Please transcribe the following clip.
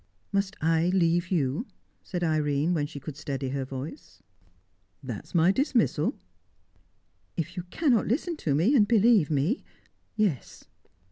"Must I leave you?" said Irene, when she could steady her voice. "That is my dismissal?" "If you cannot listen to me, and believe me yes."